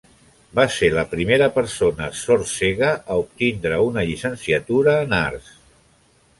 Va ser la primera persona sord-cega a obtindre una llicenciatura en arts.